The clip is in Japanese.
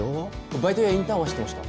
バイトやインターンはしてました